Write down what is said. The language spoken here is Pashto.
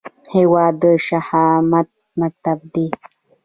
هیواد د شهامت مکتب دی